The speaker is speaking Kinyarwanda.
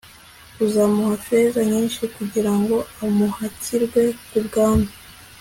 kuzamuha feza nyinshi, kugira ngo amuhakirwe ku mwami